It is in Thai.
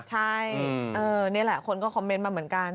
ใช่นี่แหละคนก็คอมเมนต์มาเหมือนกัน